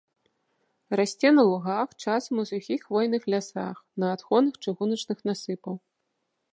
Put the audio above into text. Расце на лугах, часам у сухіх хвойных лясах, на адхонах чыгуначных насыпаў.